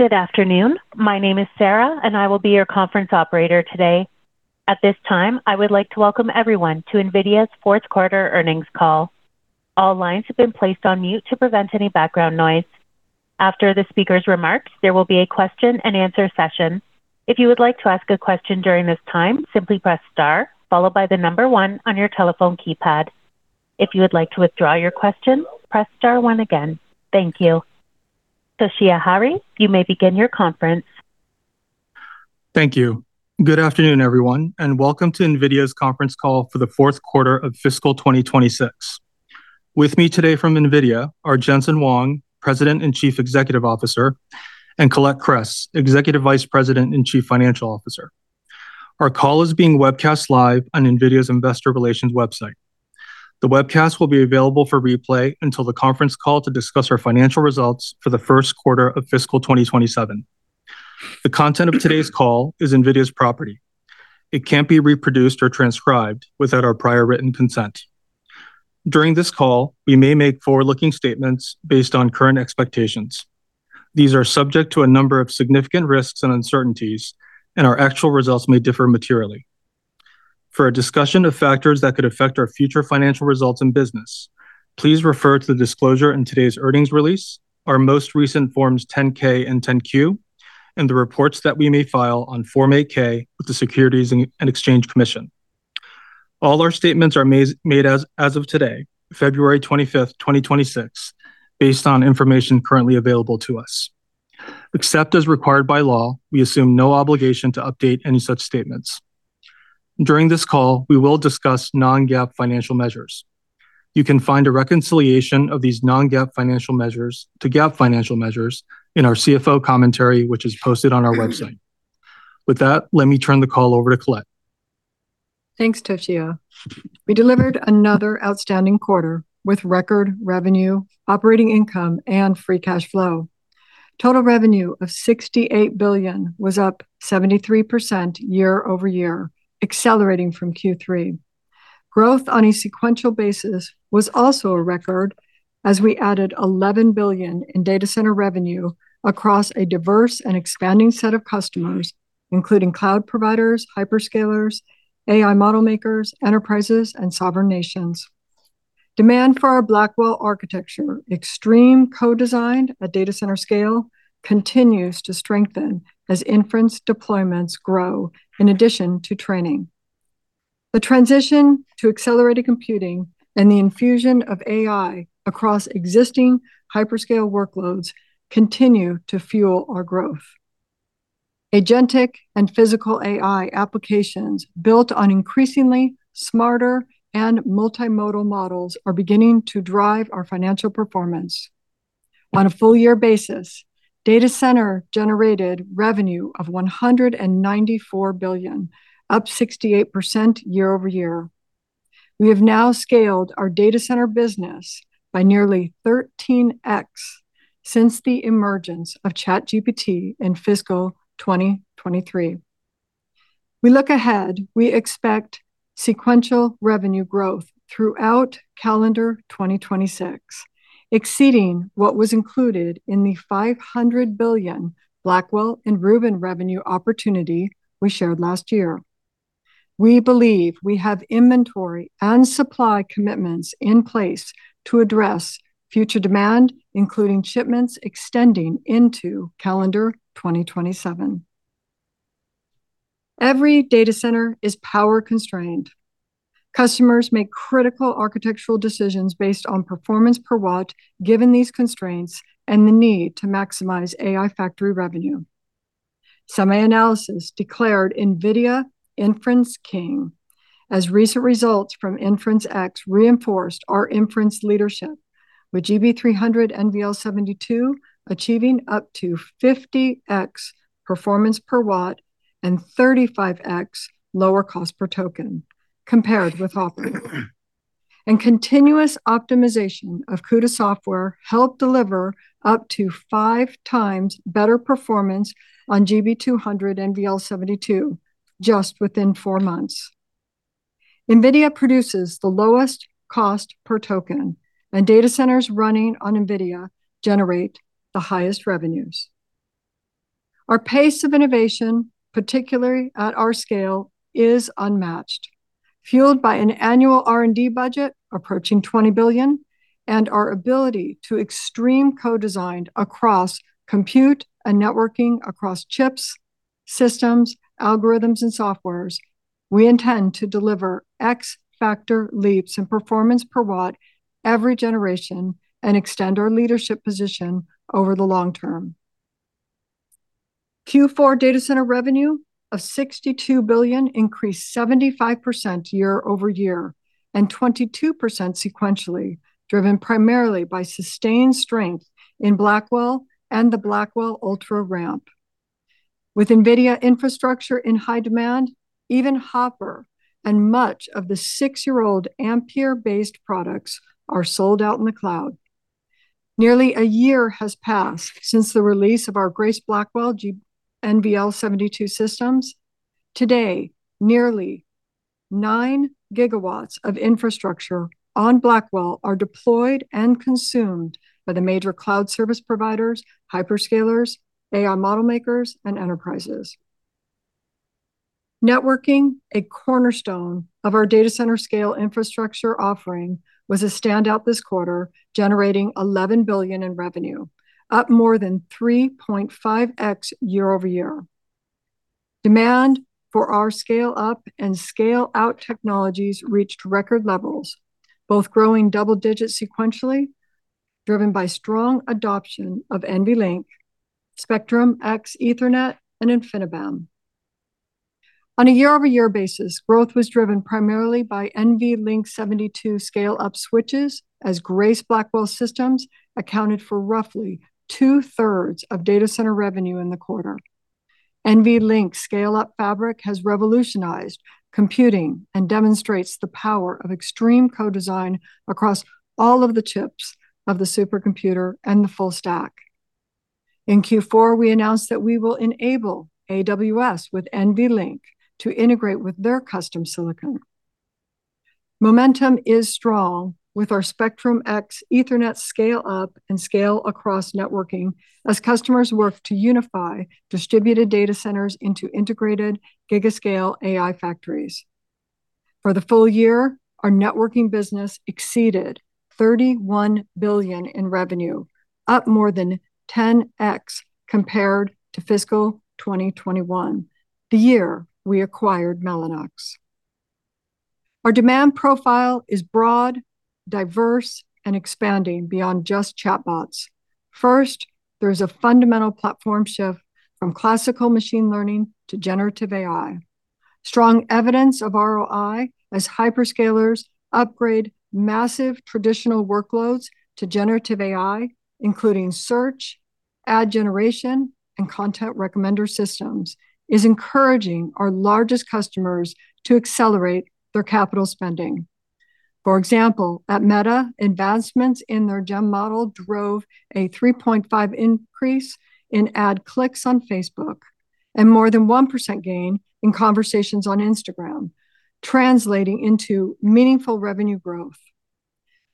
Good afternoon. My name is Sarah, and I will be your conference operator today. At this time, I would like to welcome everyone to NVIDIA's fourth quarter earnings call. All lines have been placed on mute to prevent any background noise. After the speaker's remarks, there will be a question and answer session. If you would like to ask a question during this time, simply press star, followed by the number one on your telephone keypad. If you would like to withdraw your question, press star one again. Thank you. Toshiya Hari, you may begin your conference. Thank you. Good afternoon, everyone, and welcome to NVIDIA's conference call for the fourth quarter of fiscal year 2026. With me today from NVIDIA are Jensen Huang, President and Chief Executive Officer, and Colette Kress, Executive Vice President and Chief Financial Officer. Our call is being webcast live on NVIDIA's Investor Relations website. The webcast will be available for replay until the conference call to discuss our financial results for the first quarter of fiscal year 2027. The content of today's call is NVIDIA's property. It can't be reproduced or transcribed without our prior written consent. During this call, we may make forward-looking statements based on current expectations. These are subject to a number of significant risks and uncertainties, and our actual results may differ materially. For a discussion of factors that could affect our future financial results and business, please refer to the disclosure in today's earnings release, our most recent Forms 10-K and 10-Q, and the reports that we may file on Form 8-K with the Securities and Exchange Commission. All our statements are made as of today, February 25th, 2026, based on information currently available to us. Except as required by law, we assume no obligation to update any such statements. During this call, we will discuss non-GAAP financial measures. You can find a reconciliation of these non-GAAP financial measures to GAAP financial measures in our CFO commentary, which is posted on our website. With that, let me turn the call over to Colette. Thanks, Toshiya. We delivered another outstanding quarter with record revenue, operating income, and free cash flow. Total revenue of $68 billion was up 73% year-over-year, accelerating from Q3. Growth on a sequential basis was also a record, as we added $11 billion in data center revenue across a diverse and expanding set of customers, including cloud providers, hyperscalers, AI model makers, enterprises, and sovereign nations. Demand for our Blackwell architecture, extreme co-designed at data center scale, continues to strengthen as inference deployments grow, in addition to training. The transition to accelerated computing and the infusion of AI across existing hyperscale workloads continue to fuel our growth. Agentic and physical AI applications built on increasingly smarter and multimodal models are beginning to drive our financial performance. On a full-year basis, data center generated revenue of $194 billion, up 68% year-over-year. We have now scaled our data center business by nearly 13x since the emergence of ChatGPT in fiscal year 2023. We look ahead, we expect sequential revenue growth throughout calendar 2026, exceeding what was included in the $500 billion Blackwell and Rubin revenue opportunity we shared last year. We believe we have inventory and supply commitments in place to address future demand, including shipments extending into calendar 2027. Every data center is power-constrained. Customers make critical architectural decisions based on performance per watt, given these constraints and the need to maximize AI factory revenue. SemiAnalysis declared NVIDIA Inference King, as recent results from InferenceX reinforced our inference leadership, with GB300 NVL72 achieving up to 50x performance per watt and 35x lower cost per token compared with Hopper. Continuous optimization of CUDA software helped deliver up to five times better performance on GB200 NVL72 just within four months. NVIDIA produces the lowest cost per token, and data centers running on NVIDIA generate the highest revenues. Our pace of innovation, particularly at our scale, is unmatched. Fueled by an annual R&D budget approaching $20 billion and our ability to extreme co-design across compute and networking, across chips, systems, algorithms, and softwares, we intend to deliver X factor leaps in performance per watt every generation and extend our leadership position over the long term. Q4 data center revenue of $62 billion increased 75% year-over-year and 22% sequentially, driven primarily by sustained strength in Blackwell and the Blackwell Ultra ramp. With NVIDIA infrastructure in high demand, even Hopper and much of the six-year-old Ampere-based products are sold out in the cloud. Nearly a year has passed since the release of our Grace Blackwell NVL72 systems. Today, 9 GW of infrastructure on Blackwell are deployed and consumed by the major cloud service providers, hyperscalers, AI model makers, and enterprises. Networking, a cornerstone of our data center scale infrastructure offering, was a standout this quarter, generating $11 billion in revenue, up more than 3.5x year-over-year. Demand for our scale up and scale out technologies reached record levels, both growing double digits sequentially, driven by strong adoption of NVLink, Spectrum-X Ethernet, and InfiniBand. On a year-over-year basis, growth was driven primarily by NVLink 72 scale-up switches, as Grace Blackwell systems accounted for roughly two-thirds of data center revenue in the quarter. NVLink scale-up fabric has revolutionized computing and demonstrates the power of extreme co-design across all of the chips of the supercomputer and the full stack. In Q4, we announced that we will enable AWS with NVLink to integrate with their custom silicon. Momentum is strong with our Spectrum-X Ethernet scale-up and scale-across networking, as customers work to unify distributed data centers into integrated gigascale AI factories. For the full-year, our networking business exceeded $31 billion in revenue, up more than 10x compared to fiscal year 2021, the year we acquired Mellanox. Our demand profile is broad, diverse, and expanding beyond just chatbots. First, there is a fundamental platform shift from classical machine learning to generative AI. Strong evidence of ROI as hyperscalers upgrade massive traditional workloads to generative AI, including search, ad generation, and content recommender systems, is encouraging our largest customers to accelerate their capital spending. For example, at Meta, advancements in their GEM model drove a 3.5 increase in ad clicks on Facebook and more than 1% gain in conversations on Instagram, translating into meaningful revenue growth.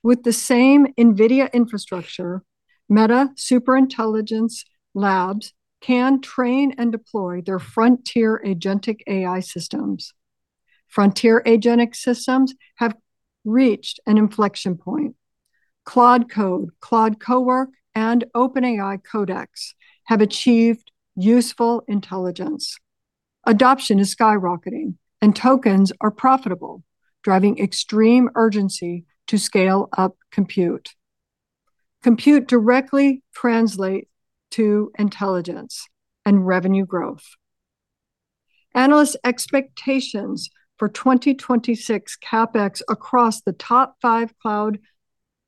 With the same NVIDIA infrastructure, Meta Superintelligence Labs can train and deploy their frontier agentic AI systems. Frontier agentic systems have reached an inflection point. Claude Code, Claude Cowork, and OpenAI Codex have achieved useful intelligence. Adoption is skyrocketing and tokens are profitable, driving extreme urgency to scale up compute. Compute directly translate to intelligence and revenue growth. Analyst expectations for 2026 CapEx across the top five cloud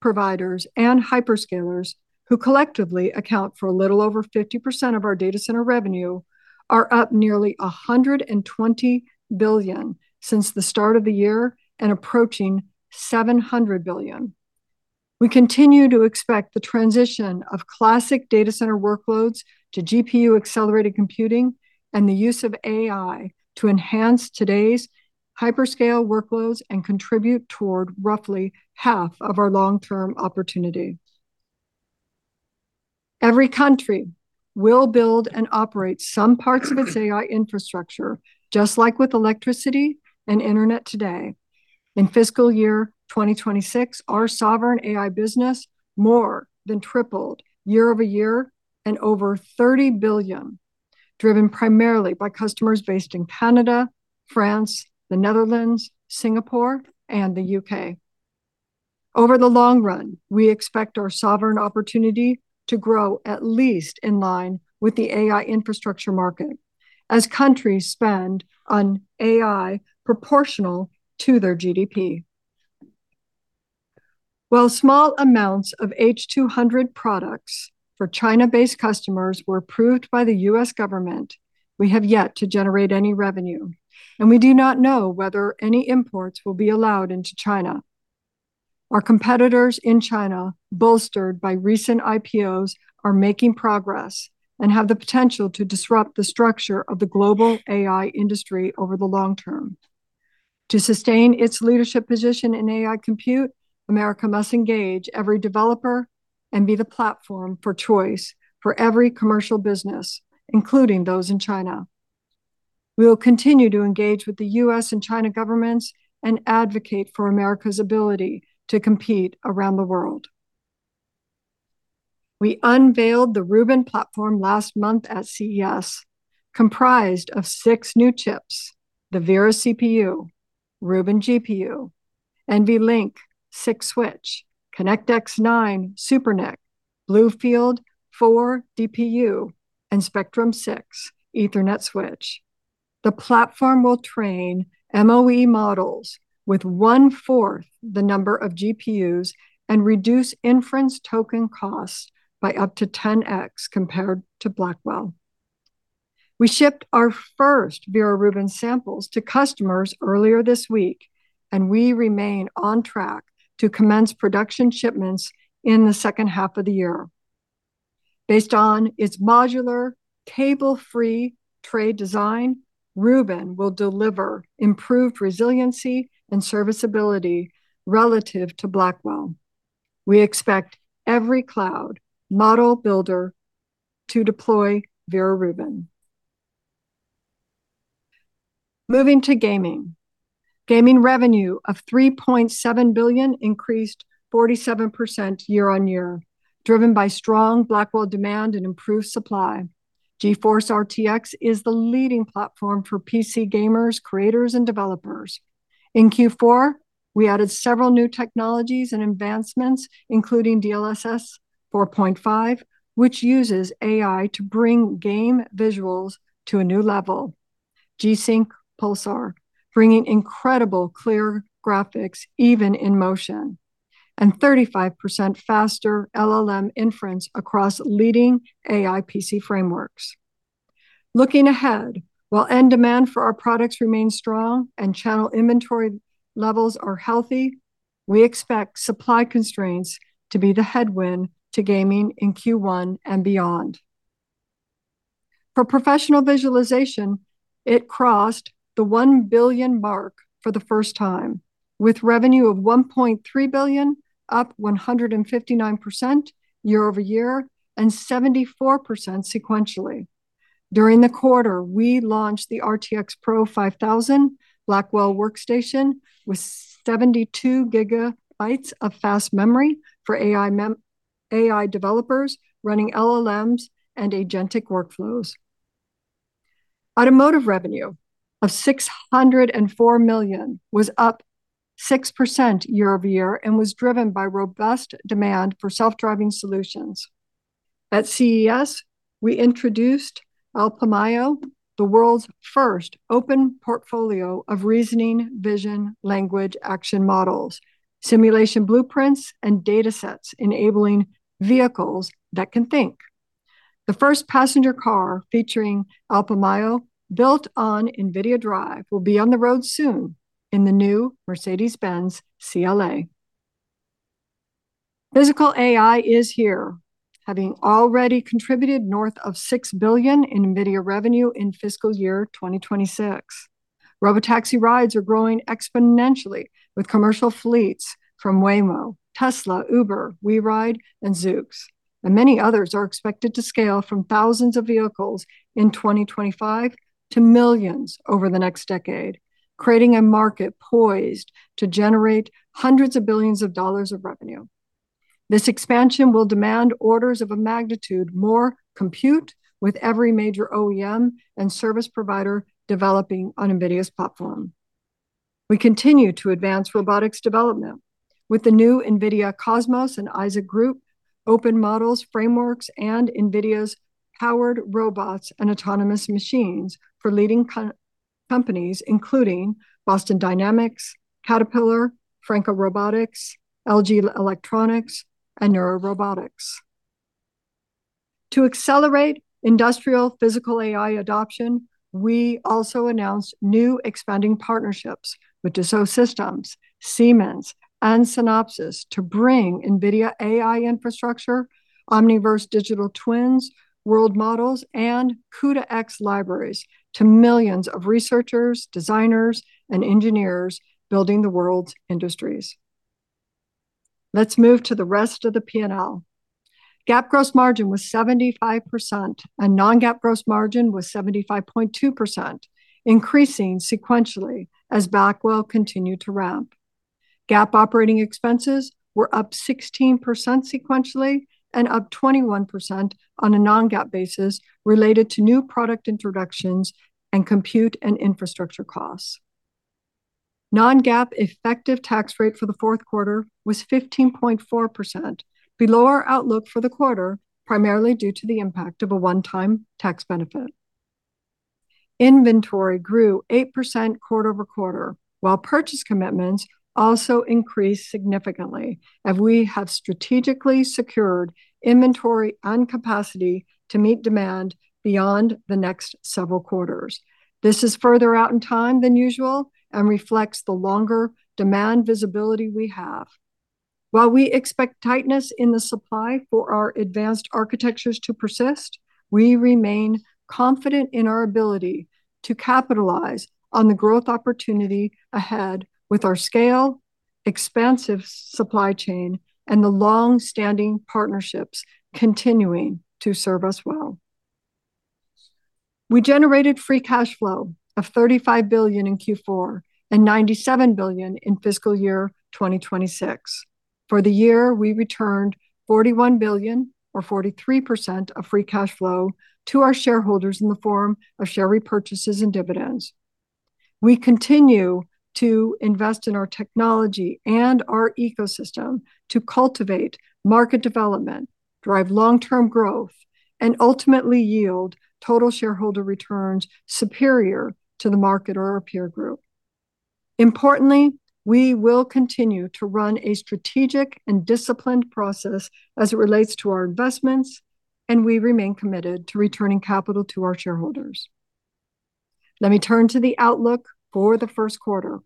providers and hyperscalers, who collectively account for a little over 50% of our data center revenue, are up nearly $120 billion since the start of the year and approaching $700 billion. We continue to expect the transition of classic data center workloads to GPU-accelerated computing and the use of AI to enhance today's hyperscale workloads and contribute toward roughly half of our long-term opportunity. Every country will build and operate some parts of its AI infrastructure, just like with electricity and internet today. In fiscal year 2026, our sovereign AI business more than tripled year-over-year and over $30 billion, driven primarily by customers based in Canada, France, the Netherlands, Singapore, and the U.K.. Over the long run, we expect our sovereign opportunity to grow at least in line with the AI infrastructure market as countries spend on AI proportional to their GDP. While small amounts of H200 products for China-based customers were approved by the U.S. government, we have yet to generate any revenue, and we do not know whether any imports will be allowed into China. Our competitors in China, bolstered by recent IPOs, are making progress and have the potential to disrupt the structure of the global AI industry over the long term. To sustain its leadership position in AI compute, America must engage every developer and be the platform for choice for every commercial business, including those in China. We will continue to engage with the U.S. and China governments and advocate for America's ability to compete around the world. We unveiled the Rubin platform last month at CES, comprised of six new chips: the Vera CPU, Rubin GPU, NVLink 6 Switch, ConnectX-9 SuperNIC, BlueField-4 DPU, and Spectrum-6 Ethernet Switch. The platform will train MoE models with 1/4 the number of GPUs and reduce inference token cost by up to 10x compared to Blackwell. We shipped our first Vera Rubin samples to customers earlier this week. We remain on track to commence production shipments in the second half of the year. Based on its modular cable-free tray design, Rubin will deliver improved resiliency and serviceability relative to Blackwell. We expect every cloud model builder to deploy Vera Rubin. Moving to gaming. Gaming revenue of $3.7 billion increased 47% year-on-year, driven by strong Blackwell demand and improved supply. GeForce RTX is the leading platform for PC gamers, creators, and developers. In Q4, we added several new technologies and advancements, including DLSS 4.5, which uses AI to bring game visuals to a new level. G-SYNC Pulsar, bringing incredible clear graphics even in motion. 35% faster LLM inference across leading AI PC frameworks. Looking ahead, while end demand for our products remains strong and channel inventory levels are healthy, we expect supply constraints to be the headwind to gaming in Q1 and beyond. For professional visualization, it crossed the $1 billion mark for the first time, with revenue of $1.3 billion, up 159% year-over-year and 74% sequentially. During the quarter, we launched the RTX PRO 5000 Blackwell workstation, with 72 GB of fast memory for AI developers running LLMs and agentic workflows. Automotive revenue of $604 million was up 6% year-over-year and was driven by robust demand for self-driving solutions. At CES, we introduced Llama Nemotron, the world's first open portfolio of reasoning, vision, language, action models, simulation blueprints, and datasets, enabling vehicles that can think. The first passenger car featuring Llama Nemotron, built on NVIDIA DRIVE, will be on the road soon in the new Mercedes-Benz CLA. Physical AI is here, having already contributed north of $6 billion in NVIDIA revenue in fiscal year 2026. Robotaxi rides are growing exponentially with commercial fleets from Waymo, Tesla, Uber, WeRide, and Zoox, and many others are expected to scale from thousands of vehicles in 2025 to millions over the next decade, creating a market poised to generate hundreds of billions of dollars of revenue. This expansion will demand orders of a magnitude more compute with every major OEM and service provider developing on NVIDIA's platform. We continue to advance robotics development with the new NVIDIA Cosmos and Isaac GR00T, open models, frameworks, and NVIDIA's powered robots and autonomous machines for leading co- companies, including Boston Dynamics, Caterpillar, Franka Robotics, LG Electronics, and Nuro. To accelerate industrial physical AI adoption, we also announced new expanding partnerships with Dassault Systèmes, Siemens, and Synopsys to bring NVIDIA AI infrastructure, Omniverse digital twins, world models, and CUDA-X libraries to millions of researchers, designers, and engineers building the world's industries. Let's move to the rest of the P&L. GAAP gross margin was 75%, and non-GAAP gross margin was 75.2%, increasing sequentially as Blackwell continued to ramp. GAAP operating expenses were up 16% sequentially and up 21% on a non-GAAP basis, related to new product introductions and compute and infrastructure costs. Non-GAAP effective tax rate for the fourth quarter was 15.4%, below our outlook for the quarter, primarily due to the impact of a one-time tax benefit. Inventory grew 8% quarter-over-quarter, while purchase commitments also increased significantly. We have strategically secured inventory and capacity to meet demand beyond the next several quarters. This is further out in time than usual and reflects the longer demand visibility we have. While we expect tightness in the supply for our advanced architectures to persist, we remain confident in our ability to capitalize on the growth opportunity ahead with our scale, expansive supply chain, and the long-standing partnerships continuing to serve us well. We generated free cash flow of $35 billion in Q4 and $97 billion in fiscal year 2026. For the year, we returned $41 billion or 43% of free cash flow to our shareholders in the form of share repurchases and dividends. We continue to invest in our technology and our ecosystem to cultivate market development, drive long-term growth, and ultimately yield total shareholder returns superior to the market or our peer group. Importantly, we will continue to run a strategic and disciplined process as it relates to our investments, and we remain committed to returning capital to our shareholders. Let me turn to the outlook for the first quarter.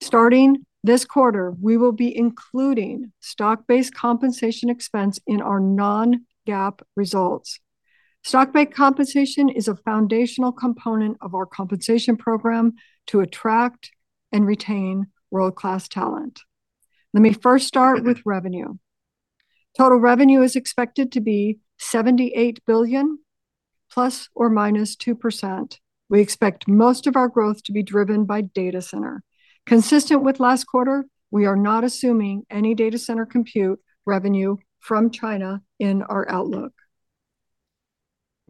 Starting this quarter, we will be including stock-based compensation expense in our non-GAAP results. Stock-based compensation is a foundational component of our compensation program to attract and retain world-class talent. Let me first start with revenue. Total revenue is expected to be $78 billion, ±2%. We expect most of our growth to be driven by data center. Consistent with last quarter, we are not assuming any data center compute revenue from China in our outlook.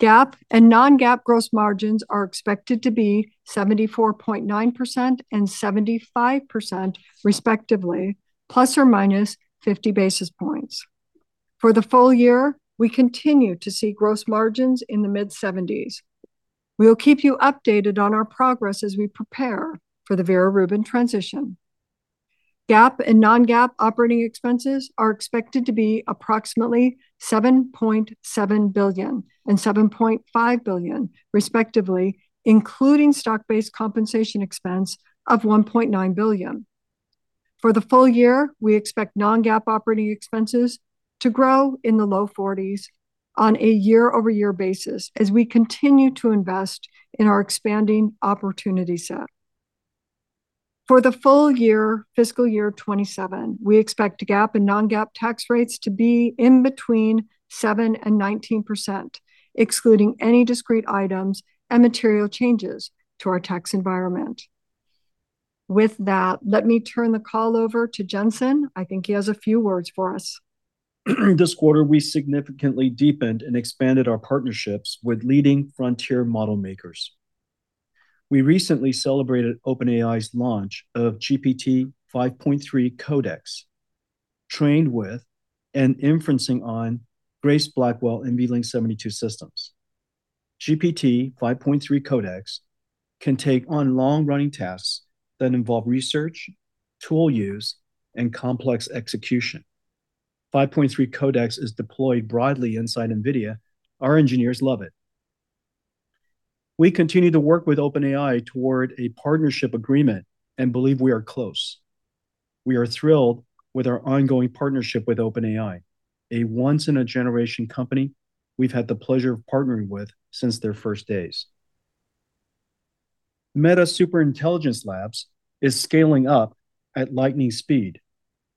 GAAP and non-GAAP gross margins are expected to be 74.9% and 75% respectively, ±50 basis points. For the full-year, we continue to see gross margins in the mid-70s. We will keep you updated on our progress as we prepare for the Vera Rubin transition. GAAP and non-GAAP operating expenses are expected to be approximately $7.7 billion and $7.5 billion respectively, including stock-based compensation expense of $1.9 billion. For the full-year, we expect non-GAAP operating expenses to grow in the low 40s on a year-over-year basis, as we continue to invest in our expanding opportunity set. For the full-year, fiscal year 2027, we expect GAAP and non-GAAP tax rates to be in between 7% and 19%, excluding any discrete items and material changes to our tax environment. Let me turn the call over to Jensen. I think he has a few words for us. This quarter, we significantly deepened and expanded our partnerships with leading frontier model makers. We recently celebrated OpenAI's launch of GPT-5.2-Codex, trained with and inferencing on Grace Blackwell and NVL72 systems. GPT-5.2-Codex can take on long-running tasks that involve research, tool use, and complex execution. 5.3-Codex is deployed broadly inside NVIDIA. Our engineers love it. We continue to work with OpenAI toward a partnership agreement and believe we are close. We are thrilled with our ongoing partnership with OpenAI, a once-in-a-generation company we've had the pleasure of partnering with since their first days. Meta Superintelligence Labs is scaling up at lightning speed.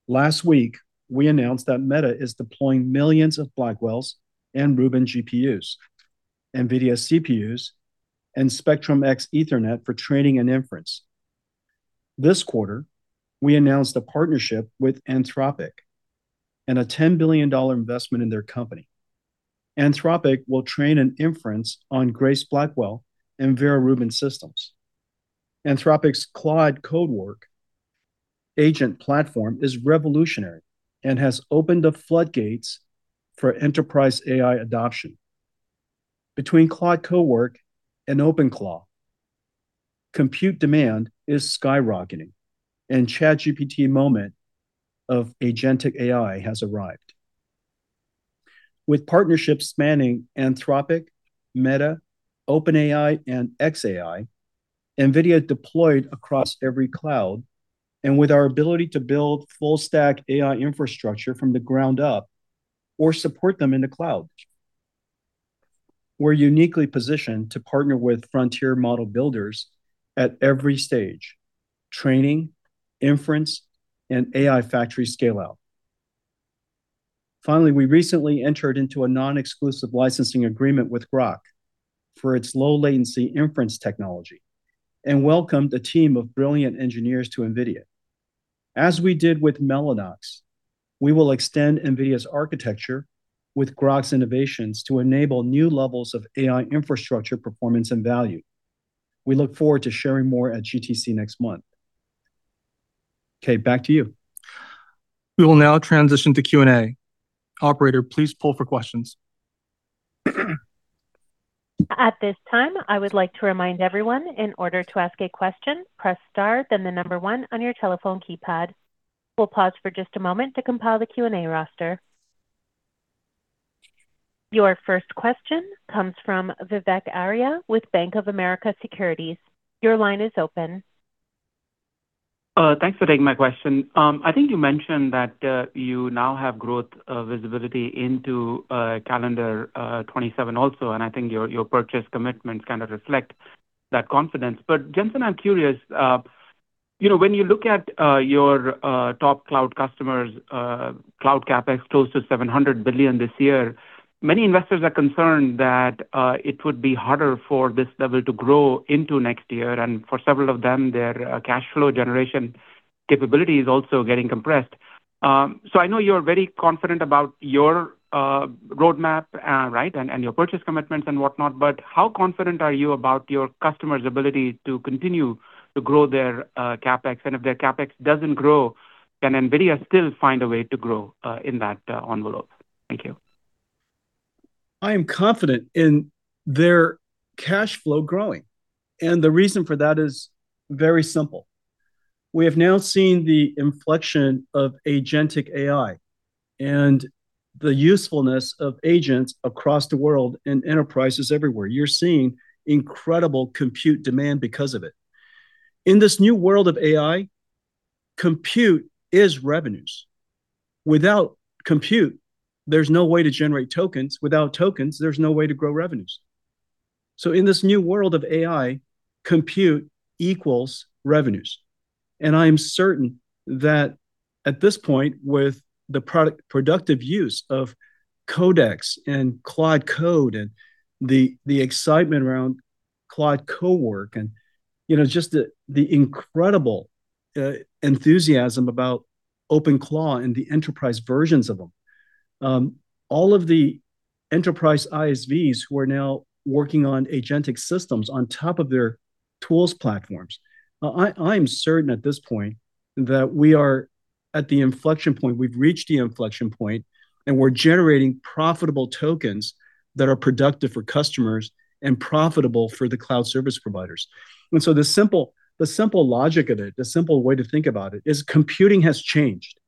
Last week, we announced that Meta is deploying millions of Blackwells and Rubin GPUs, NVIDIA CPUs, and Spectrum-X Ethernet for training and inference. This quarter, we announced a partnership with Anthropic and a $10 billion investment in their company. Anthropic will train an inference on Grace Blackwell and Vera Rubin systems. Anthropic's Claude Cowork agent platform is revolutionary and has opened up floodgates for enterprise AI adoption. Between Claude Cowork and OpenClaw, compute demand is skyrocketing. ChatGPT moment of agentic AI has arrived. With partnerships spanning Anthropic, Meta, OpenAI, and xAI, NVIDIA deployed across every cloud, and with our ability to build full stack AI infrastructure from the ground up or support them in the cloud, we're uniquely positioned to partner with frontier model builders at every stage: training, inference, and AI factory scale-out. Finally, we recently entered into a non-exclusive licensing agreement with Groq for its low latency inference technology, and welcomed a team of brilliant engineers to NVIDIA. As we did with Mellanox, we will extend NVIDIA's architecture with Groq's innovations to enable new levels of AI infrastructure, performance, and value. We look forward to sharing more at GTC next month. Back to you. We will now transition to Q&A. Operator, please pull for questions. At this time, I would like to remind everyone, in order to ask a question, press star, then the number one on your telephone keypad. We'll pause for just a moment to compile the Q&A roster. Your first question comes from Vivek Arya with Bank of America Securities. Your line is open. Thanks for taking my question. I think you mentioned that you now have growth visibility into calendar 2027 also, and I think your purchase commitments kind of reflect that confidence. Jensen, I'm curious, you know, when you look at your top cloud customers, cloud CapEx close to $700 billion this year, many investors are concerned that it would be harder for this level to grow into next year, and for several of them, their cash flow generation capability is also getting compressed. I know you're very confident about your roadmap, right? And your purchase commitments and whatnot, but how confident are you about your customers' ability to continue to grow their CapEx? If their CapEx doesn't grow, can NVIDIA still find a way to grow, in that, envelope? Thank you. I am confident in their cash flow growing. The reason for that is very simple. We have now seen the inflection of agentic AI and the usefulness of agents across the world in enterprises everywhere. You're seeing incredible compute demand because of it. In this new world of AI, compute is revenues. Without compute, there's no way to generate tokens. Without tokens, there's no way to grow revenues. In this new world of AI, compute equals revenues. I am certain that at this point, with the productive use of Codex and Claude Code, and the excitement around Claude Cowork, and, you know, just the incredible enthusiasm about OpenClaw and the enterprise versions of them. All of the enterprise ISVs who are now working on agentic systems on top of their tools platforms. Now, I am certain at this point that we are at the inflection point. We've reached the inflection point, and we're generating profitable tokens that are productive for customers and profitable for the cloud service providers. The simple logic of it, the simple way to think about it, is computing has changed.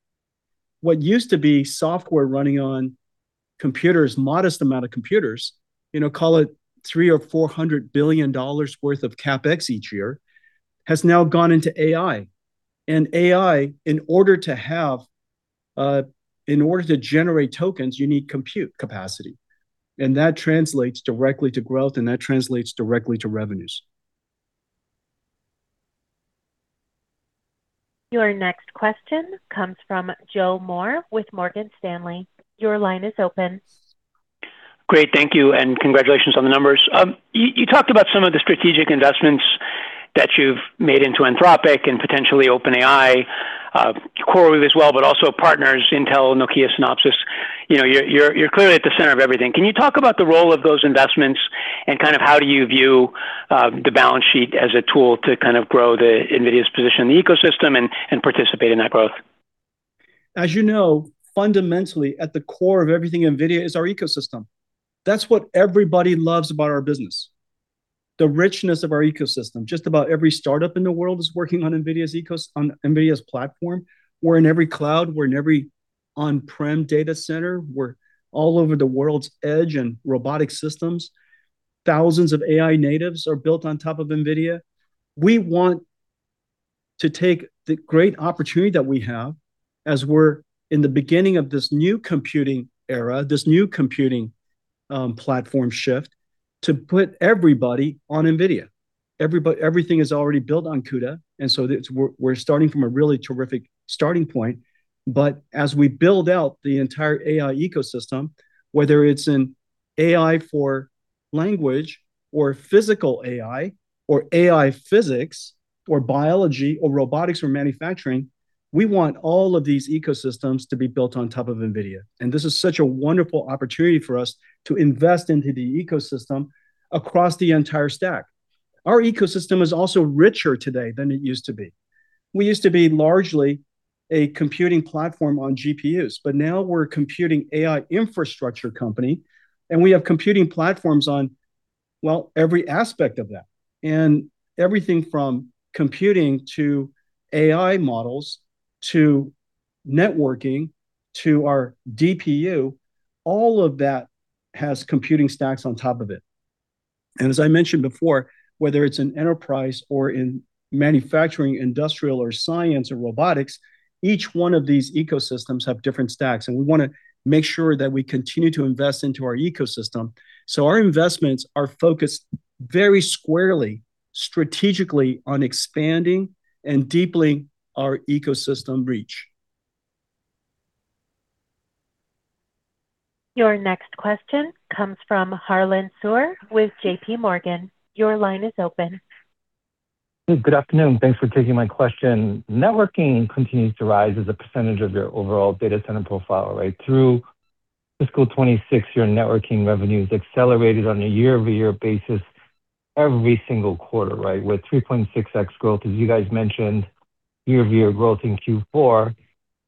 What used to be software running on computers, modest amount of computers, you know, call it $300 billion-$400 billion worth of CapEx each year, has now gone into AI. AI, in order to generate tokens, you need compute capacity, and that translates directly to growth, and that translates directly to revenues. Your next question comes from Joe Moore with Morgan Stanley. Your line is open. Great, thank you, and congratulations on the numbers. You talked about some of the strategic investments that you've made into Anthropic and potentially OpenAI, CoreWeave as well, but also partners, Intel, Nokia, Synopsys. You know, you're clearly at the center of everything. Can you talk about the role of those investments and kind of how do you view the balance sheet as a tool to kind of grow the NVIDIA's position in the ecosystem and participate in that growth? As you know, fundamentally, at the core of everything NVIDIA is our ecosystem. That's what everybody loves about our business, the richness of our ecosystem. Just about every startup in the world is working on NVIDIA's platform. We're in every cloud, we're in every on-prem data center. We're all over the world's edge and robotic systems. Thousands of AI natives are built on top of NVIDIA. We want to take the great opportunity that we have as we're in the beginning of this new computing era, this new computing platform shift, to put everybody on NVIDIA. Everything is already built on CUDA, and so it's, we're starting from a really terrific starting point. As we build out the entire AI ecosystem, whether it's in AI for language or physical AI, or AI physics, or biology, or robotics, or manufacturing, we want all of these ecosystems to be built on top of NVIDIA. This is such a wonderful opportunity for us to invest into the ecosystem across the entire stack. Our ecosystem is also richer today than it used to be. We used to be largely a computing platform on GPUs, but now we're a computing AI infrastructure company, and we have computing platforms on, well, every aspect of that. Everything from computing to AI models, to networking, to our DPU, all of that has computing stacks on top of it. As I mentioned before, whether it's in enterprise or in manufacturing, industrial or science or robotics, each one of these ecosystems have different stacks, and we wanna make sure that we continue to invest into our ecosystem. Our investments are focused very squarely, strategically on expanding and deeply our ecosystem reach. Your next question comes from Harlan Sur with JPMorgan. Your line is open. Good afternoon. Thanks for taking my question. Networking continues to rise as a percentage of your overall data center profile, right? Through fiscal year 2026, your networking revenue has accelerated on a year-over-year basis every single quarter, right? With 3.6x growth, as you guys mentioned, year-over-year growth in Q4.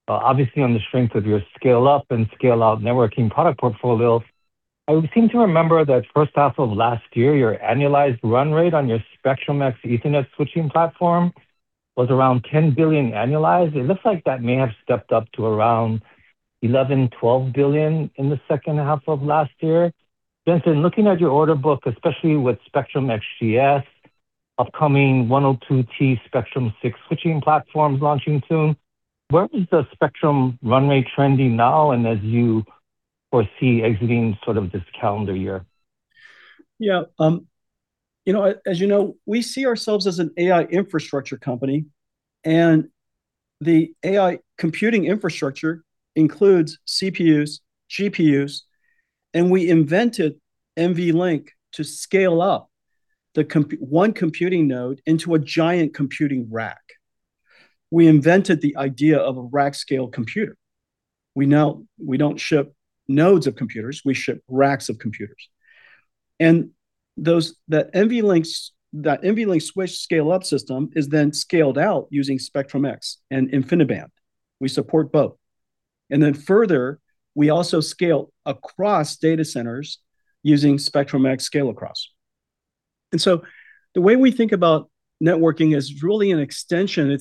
Obviously, on the strength of your scale up and scale-out networking product portfolios, I would seem to remember that first half of last year, your annualized run rate on your Spectrum-X Ethernet switching platform was around $10 billion annualized. It looks like that may have stepped up to around $11 billion-$12 billion in the second half of last year. Jensen, looking at your order book, especially with Spectrum-XGS, upcoming 102T Spectrum-6 switching platforms launching soon, where is the spectrum runway trending now and as you foresee exiting sort of this calendar year? You know, as you know, we see ourselves as an AI infrastructure company, and the AI computing infrastructure includes CPUs, GPUs, and we invented NVLink to scale up one computing node into a giant computing rack. We invented the idea of a rack scale computer. We don't ship nodes of computers, we ship racks of computers. That NVLink switch scale-up system is then scaled out using Spectrum-X and InfiniBand. We support both. We also scale across data centers using Spectrum-X scale across. The way we think about networking is really an extension.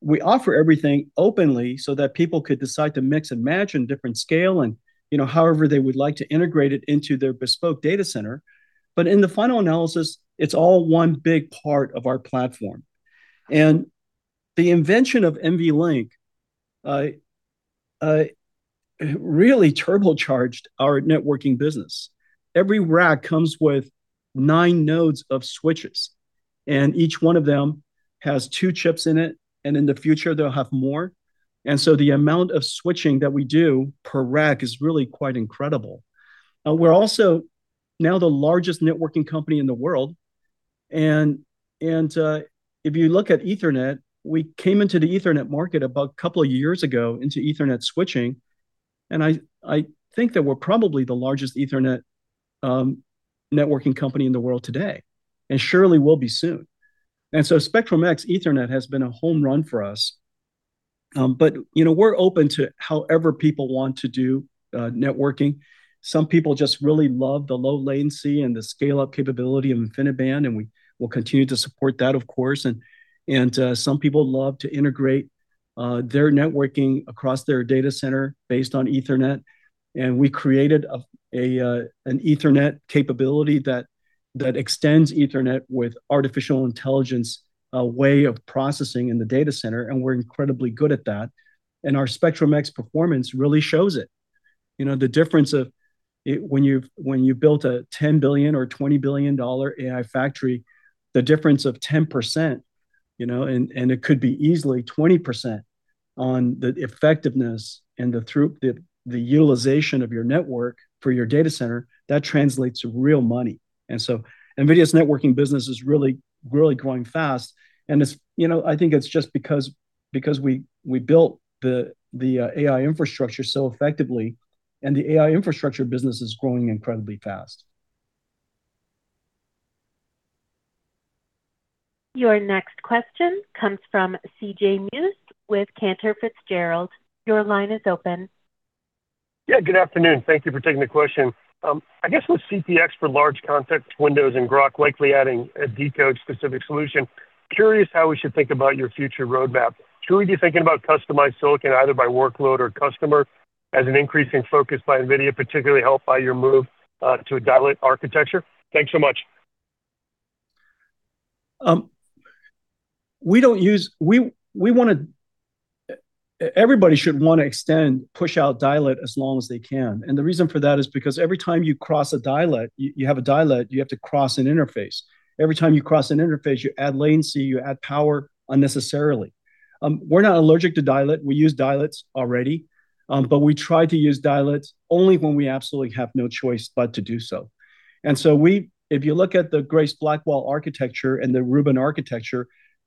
We offer everything openly so that people could decide to mix and match in different scale and, you know, however they would like to integrate it into their bespoke data center. In the final analysis, it's all one big part of our platform. The invention of NVLink, really turbocharged our networking business. Every rack comes with nine nodes of switches, and each one of them has two chips in it, and in the future they'll have more. The amount of switching that we do per rack is really quite incredible. We're also now the largest networking company in the world. If you look at Ethernet, we came into the Ethernet market about a couple of years ago, into Ethernet switching, and I think that we're probably the largest Ethernet networking company in the world today, and surely will be soon. Spectrum-X Ethernet has been a home run for us. You know, we're open to however people want to do, networking. Some people just really love the low latency and the scale-up capability of InfiniBand, and we will continue to support that, of course. Some people love to integrate their networking across their data center based on Ethernet. We created an Ethernet capability that extends Ethernet with artificial intelligence way of processing in the data center, and we're incredibly good at that. Our Spectrum-X performance really shows it. You know, the difference of it when you built a $10 billion or $20 billion AI factory, the difference of 10%, you know, and it could be easily 20% on the effectiveness and the utilization of your network for your data center, that translates to real money. NVIDIA's networking business is really growing fast, and it's, you know, I think it's just because we built the AI infrastructure so effectively, and the AI infrastructure business is growing incredibly fast. Your next question comes from CJ Muse with Cantor Fitzgerald. Your line is open. Good afternoon. Thank you for taking the question. I guess with CPX for large context windows and Groq likely adding a decode-specific solution, curious how we should think about your future roadmap. Should we be thinking about customized silicon, either by workload or customer, as an increasing focus by NVIDIA, particularly helped by your move to a dielet architecture? Thanks so much. Everybody should want to extend, push out dielet as long as they can. The reason for that is because every time you cross a dielet, you have a dielet, you have to cross an interface. Every time you cross an interface, you add latency, you add power unnecessarily. We're not allergic to dielet. We use dielets already, but we try to use dielets only when we absolutely have no choice but to do so. If you look at the Grace Blackwell architecture and the Rubin architecture,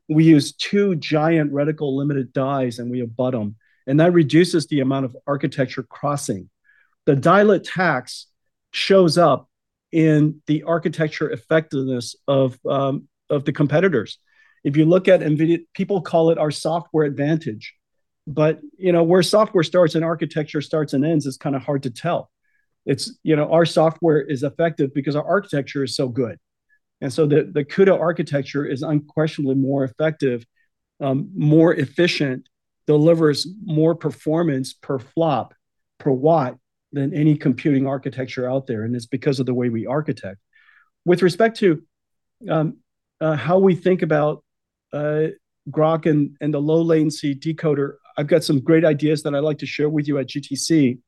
we use two giant reticle-limited dies, and we abut them, and that reduces the amount of architecture crossing. The dielet tax shows up in the architecture effectiveness of the competitors. If you look at NVIDIA, people call it our software advantage, but, you know, where software starts and architecture starts and ends, it's kinda hard to tell. It's, you know, our software is effective because our architecture is so good. The CUDA architecture is unquestionably more effective, more efficient, delivers more performance per flop, per watt, than any computing architecture out there, and it's because of the way we architect. With respect to, how we think about, Groq and the low latency decoder, I've got some great ideas that I'd like to share with you at GTC.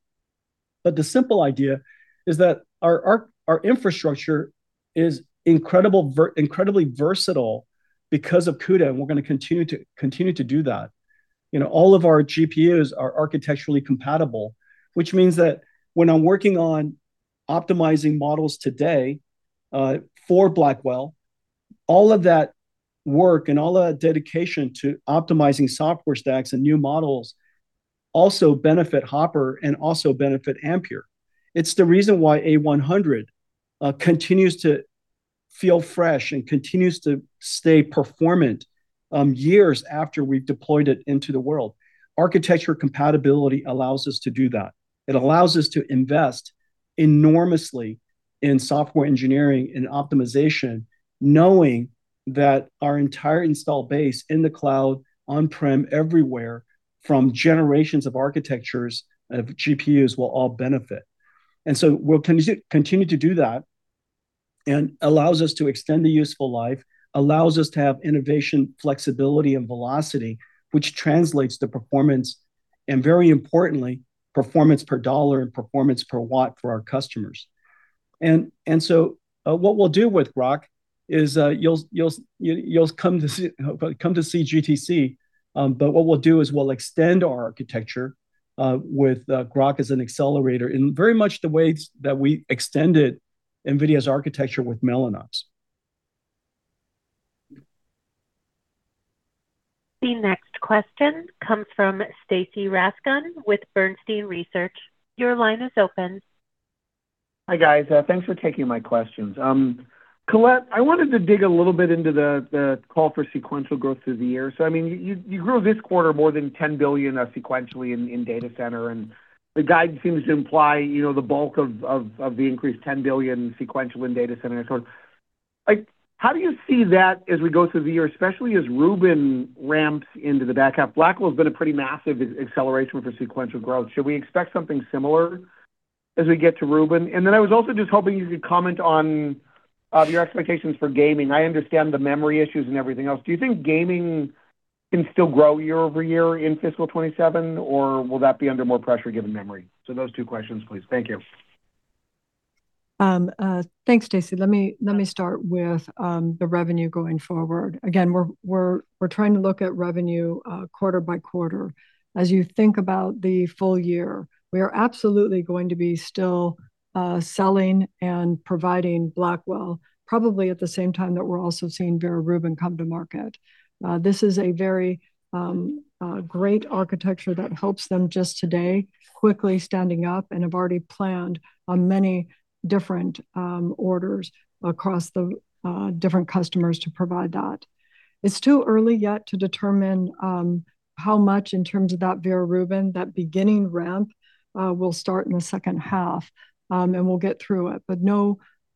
The simple idea is that our infrastructure is incredibly versatile because of CUDA, and we're gonna continue to do that. You know, all of our GPUs are architecturally compatible, which means that when I'm working on optimizing models today, for Blackwell, all of that work and all that dedication to optimizing software stacks and new models also benefit Hopper and also benefit Ampere. It's the reason why A100 continues to feel fresh and continues to stay performant, years after we've deployed it into the world. Architecture compatibility allows us to do that. It allows us to invest enormously in software engineering and optimization, knowing that our entire install base in the cloud, on-prem, everywhere, from generations of architectures, of GPUs, will all benefit. We'll continue to do that, and allows us to extend the useful life, allows us to have innovation, flexibility, and velocity, which translates to performance, and very importantly, performance per dollar and performance per watt for our customers. What we'll do with Groq is you'll come to see GTC, but what we'll do is we'll extend our architecture with Groq as an accelerator, in very much the way that we extended NVIDIA's architecture with Mellanox. The next question comes from Stacy Rasgon with Bernstein Research. Your line is open. Hi, guys. Thanks for taking my questions. Colette, I wanted to dig a little bit into the call for sequential growth through the year. I mean, you grew this quarter more than $10 billion sequentially in data center, and the guide seems to imply, you know, the bulk of the increased $10 billion sequential in data center. Like, how do you see that as we go through the year, especially as Rubin ramps into the back half? Blackwell has been a pretty massive acceleration for sequential growth. Should we expect something similar as we get to Rubin? I was also just hoping you could comment on your expectations for gaming. I understand the memory issues and everything else. Do you think gaming can still grow year-over-year in fiscal year 2027, or will that be under more pressure given memory? Those two questions, please. Thank you. Thanks, Stacy. Let me start with the revenue going forward. Again, we're trying to look at revenue quarter by quarter. As you think about the full-year, we are absolutely going to be still selling and providing Blackwell, probably at the same time that we're also seeing Vera Rubin come to market. This is a very great architecture that helps them just today, quickly standing up and have already planned on many different orders across the different customers to provide that. It's too early yet to determine how much in terms of that Vera Rubin, that beginning ramp, will start in the second half, and we'll get through it.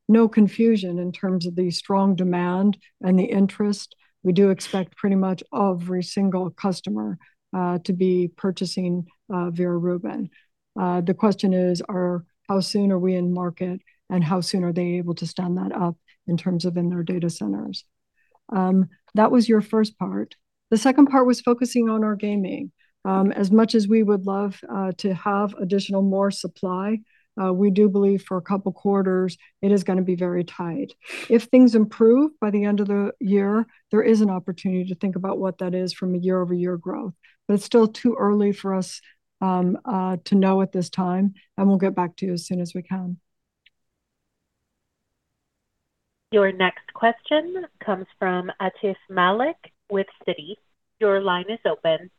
No confusion in terms of the strong demand and the interest. We do expect pretty much every single customer to be purchasing Vera Rubin. The question is, how soon are we in market, and how soon are they able to stand that up in terms of in their data centers? That was your first part. The second part was focusing on our gaming. As much as we would love to have additional more supply, we do believe for a couple quarters it is gonna be very tight. If things improve by the end of the year, there is an opportunity to think about what that is from a year-over-year growth. It's still too early for us to know at this time, and we'll get back to you as soon as we can. Your next question comes from Atif Malik with Citi. Your line is open.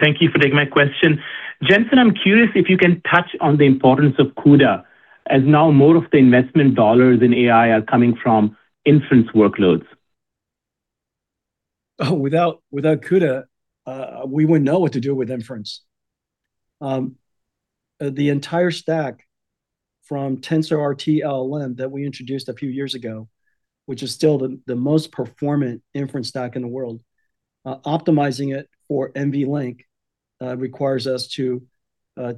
Thank you for taking my question. Jensen, I'm curious if you can touch on the importance of CUDA, as now more of the investment dollars in AI are coming from inference workloads. Without CUDA, we wouldn't know what to do with inference. The entire stack from TensorRT-LLM that we introduced a few years ago, which is still the most performant inference stack in the world. Optimizing it for NVLink requires us to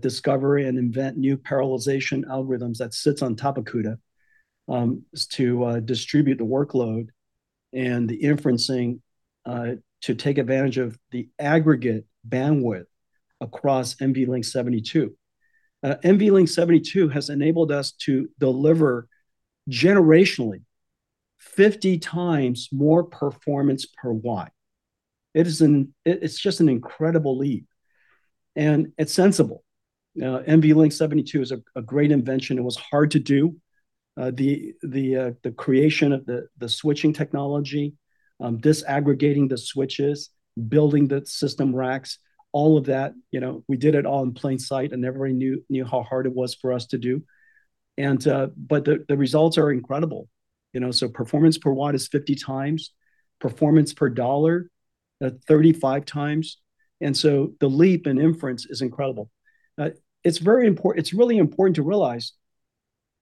discover and invent new parallelization algorithms that sits on top of CUDA to distribute the workload and the inferencing to take advantage of the aggregate bandwidth across NVLink Switch. NVLink Switch has enabled us to deliver generationally 50 times more performance per watt. It's just an incredible leap, and it's sensible. NVLink Switch is a great invention. It was hard to do. The, the creation of the switching technology, disaggregating the switches, building the system racks, all of that, you know, we did it all in plain sight, and everybody knew how hard it was for us to do. The, the results are incredible. You know, performance per watt is 50 times. Performance per dollar, 35 times. The leap in inference is incredible. It's very important to realize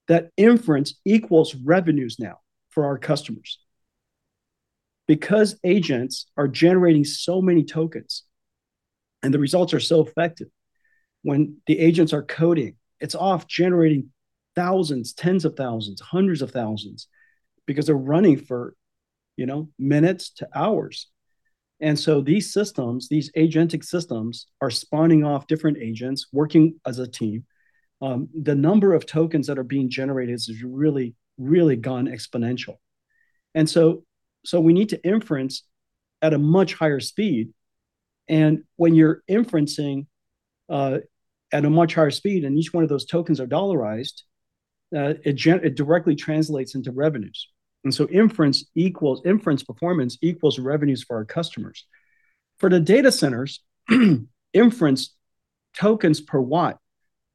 that inference equals revenues now for our customers. Because agents are generating so many tokens, and the results are so effective. When the agents are coding, it's off generating thousands, tens of thousands, hundreds of thousands, because they're running for, you know, minutes to hours. These systems, these agentic systems, are spawning off different agents working as a team. The number of tokens that are being generated has really gone exponential. We need to inference at a much higher speed, and when you're inferencing at a much higher speed, and each one of those tokens are dollarized, it directly translates into revenues. Inference performance equals revenues for our customers. For the data centers, inference tokens per watt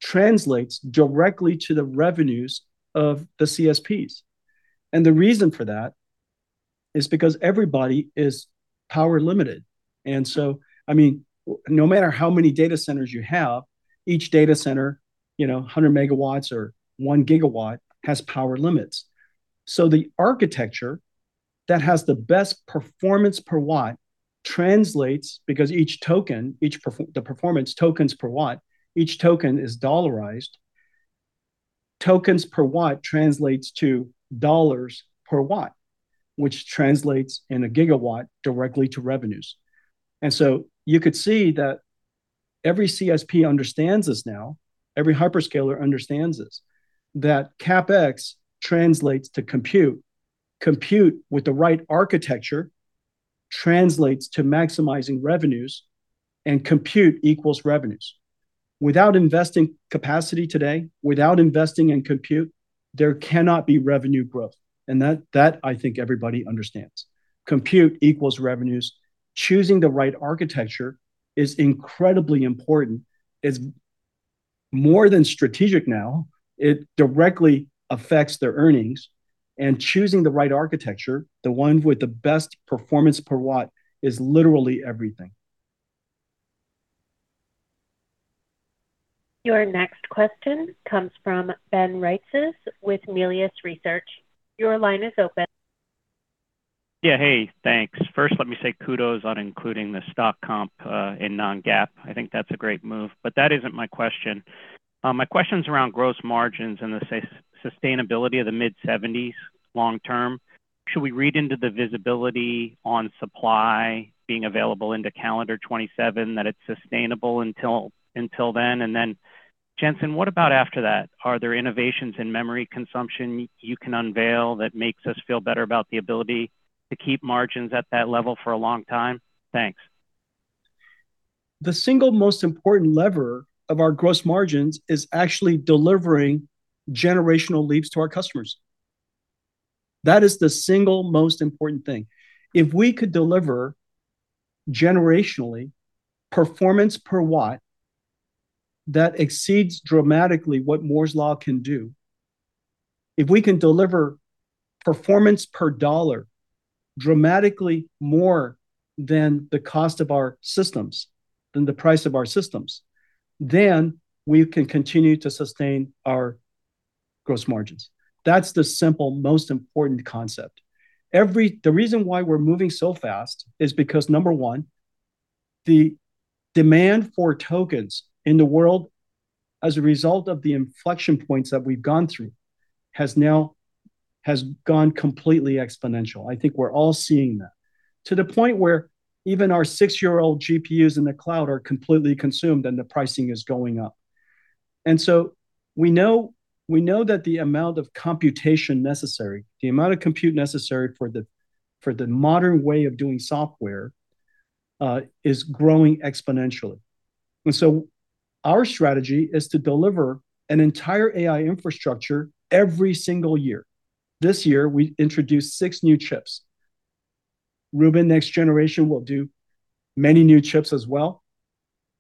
translates directly to the revenues of the CSPs. The reason for that is because everybody is power limited. I mean, no matter how many data centers you have, each data center, you know, 100 MW or 1 GW, has power limits. The architecture that has the best performance per watt translates, because each token, the performance tokens per watt, each token is dollarized. Tokens per watt translates to dollars per watt, which translates in a gigawatt directly to revenues. You could see that every CSP understands this now, every hyperscaler understands this, that CapEx translates to compute. Compute with the right architecture translates to maximizing revenues, and compute equals revenues. Without investing capacity today, without investing in compute, there cannot be revenue growth, and that I think everybody understands. Compute equals revenues. Choosing the right architecture is incredibly important. It's more than strategic now, it directly affects their earnings, and choosing the right architecture, the one with the best performance per watt, is literally everything. Your next question comes from Ben Reitzes with Melius Research. Your line is open. Yeah, hey, thanks. First, let me say kudos on including the stock comp in non-GAAP. I think that's a great move, but that isn't my question. My question's around gross margins and the sustainability of the mid-70s long term. Should we read into the visibility on supply being available into calendar 2027, that it's sustainable until then? Jensen, what about after that? Are there innovations in memory consumption you can unveil that makes us feel better about the ability to keep margins at that level for a long time? Thanks. The single most important lever of our gross margins is actually delivering generational leaps to our customers. That is the single most important thing. If we could deliver generationally, performance per watt, that exceeds dramatically what Moore's Law can do. If we can deliver performance per dollar dramatically more than the cost of our systems, than the price of our systems, then we can continue to sustain our gross margins. That's the simple, most important concept. The reason why we're moving so fast is because, number one, the demand for tokens in the world, as a result of the inflection points that we've gone through, has gone completely exponential. I think we're all seeing that, to the point where even our six-year-old GPUs in the cloud are completely consumed and the pricing is going up. We know that the amount of computation necessary, the amount of compute necessary for the modern way of doing software, is growing exponentially. Our strategy is to deliver an entire AI infrastructure every single year. This year, we introduced six new chips. Rubin, next generation, will do many new chips as well.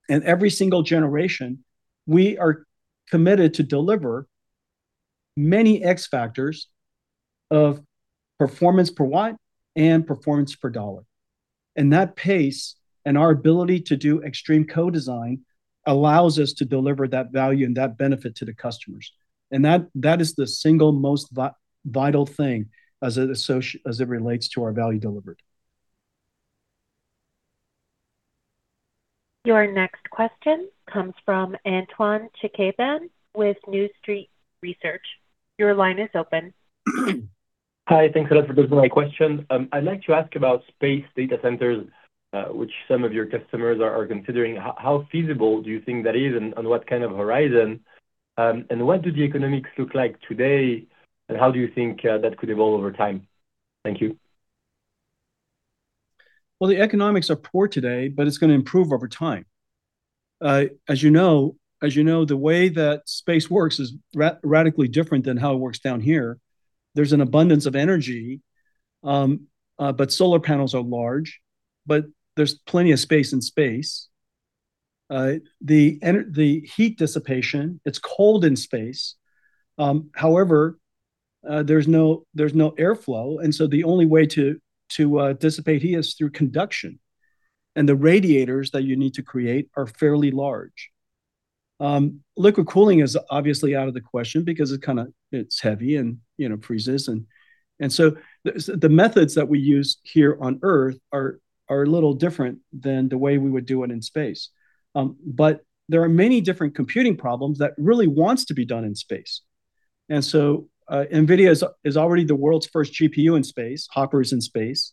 Every single generation, we are committed to deliver many X factors of performance per watt and performance per dollar. That pace, and our ability to do extreme co-design, allows us to deliver that value and that benefit to the customers. That is the single most vital thing as it relates to our value delivered. Your next question comes from Antoine Chkaiban with New Street Research. Your line is open. Hi, thanks a lot for taking my question. I'd like to ask about space data centers, which some of your customers are considering. How feasible do you think that is, and what kind of horizon? And what do the economics look like today, and how do you think that could evolve over time? Thank you. Well, the economics are poor today, but it's gonna improve over time. As you know, the way that space works is radically different than how it works down here. There's an abundance of energy, but solar panels are large, but there's plenty of space in space. The heat dissipation, it's cold in space, however, there's no airflow, and so the only way to dissipate heat is through conduction, and the radiators that you need to create are fairly large. Liquid cooling is obviously out of the question because it's heavy and, you know, freezes. The methods that we use here on Earth are a little different than the way we would do it in space. There are many different computing problems that really wants to be done in space. NVIDIA is already the world's first GPU in space, Hopper is in space.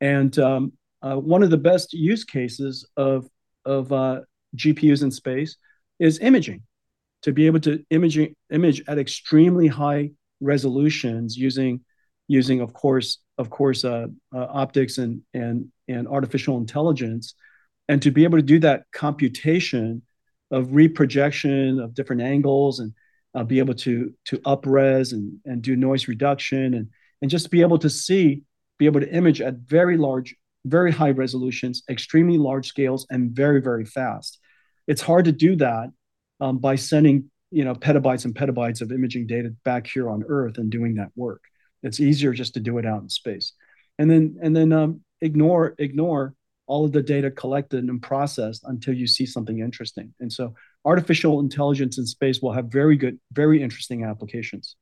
One of the best use cases of GPUs in space is imaging. To be able to image at extremely high resolutions using of course optics and artificial intelligence, and to be able to do that computation of reprojection of different angles and be able to up res and do noise reduction, and just be able to see, be able to image at very large, very high resolutions, extremely large scales, and very, very fast. It's hard to do that, you know, by sending petabytes and petabytes of imaging data back here on Earth and doing that work. It's easier just to do it out in space. Ignore all of the data collected and processed until you see something interesting. Artificial intelligence in space will have very good, very interesting applications.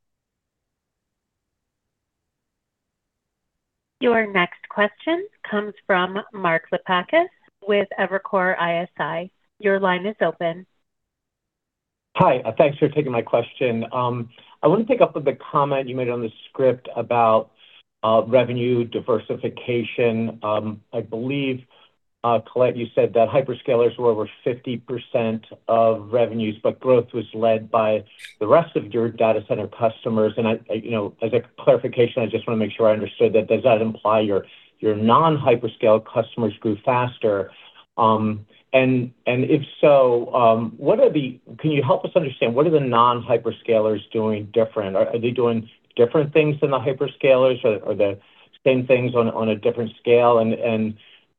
Your next question comes from Mark Lipacis with Evercore ISI. Your line is open. Hi, thanks for taking my question. I want to pick up with the comment you made on the script about revenue diversification. I believe Colette, you said that hyperscalers were over 50% of revenues, but growth was led by the rest of your data center customers. I, you know, as a clarification, I just wanna make sure I understood that. Does that imply your non-hyperscale customers grew faster? If so, can you help us understand, what are the non-hyperscalers doing different? Are they doing different things than the hyperscalers, or the same things on a different scale?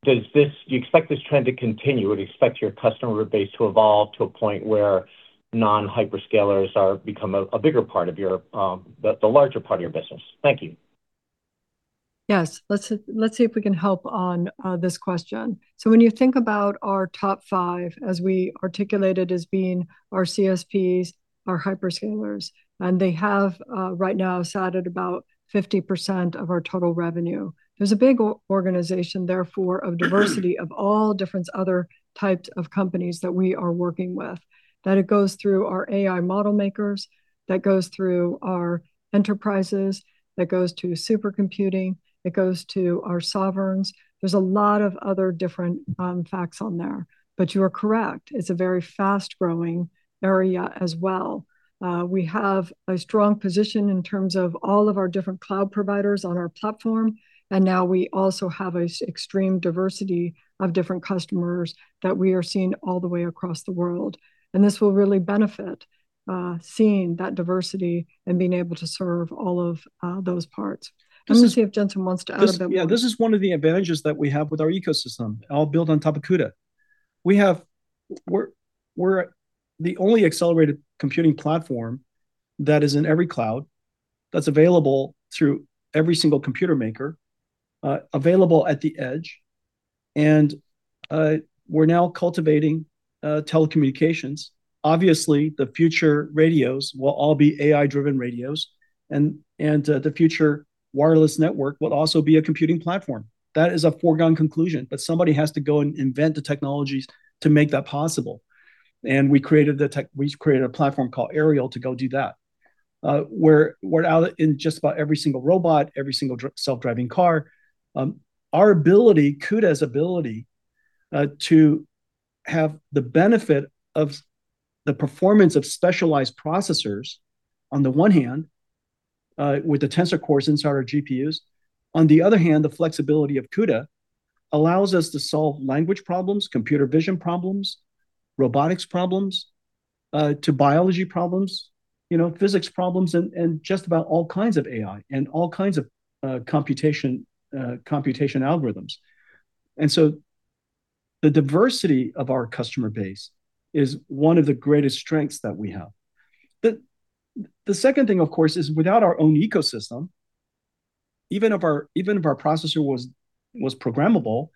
Do you expect this trend to continue? Would you expect your customer base to evolve to a point where non-hyperscalers become a bigger part of your the larger part of your business? Thank you. Yes. Let's see if we can help on this question. When you think about our top five, as we articulated as being our CSPs, our hyperscalers, and they have right now sat at about 50% of our total revenue. There's a big organization, therefore, of diversity of all different other types of companies that we are working with, that it goes through our AI model makers, that goes through our enterprises, that goes to supercomputing, it goes to our sovereigns. There's a lot of other different facts on there. You are correct, it's a very fast-growing area as well. We have a strong position in terms of all of our different cloud providers on our platform. Now we also have an extreme diversity of different customers that we are seeing all the way across the world. This will really benefit, seeing that diversity and being able to serve all of those parts. Let me see if Jensen wants to add a bit more. This, yeah, this is one of the advantages that we have with our ecosystem, all built on top of CUDA. We're the only accelerated computing platform that is in every cloud, that's available through every single computer maker, available at the edge, and we're now cultivating telecommunications. Obviously, the future radios will all be AI-driven radios, and the future wireless network will also be a computing platform. That is a foregone conclusion, but somebody has to go and invent the technologies to make that possible. We created a platform called Aerial to go do that. We're out in just about every single robot, every single self-driving car. Our ability, CUDA's ability, to have the benefit of the performance of specialized processors on the one hand, with the tensor cores inside our GPUs. On the other hand, the flexibility of CUDA allows us to solve language problems, computer vision problems, robotics problems, to biology problems, you know, physics problems, and just about all kinds of AI and all kinds of computation algorithms. The diversity of our customer base is one of the greatest strengths that we have. The second thing, of course, is without our own ecosystem, even if our processor was programmable,